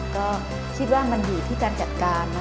ก็คิดว่ามันอยู่ที่การจัดการนะ